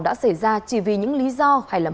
đã xảy ra chỉ vì những lý do hay là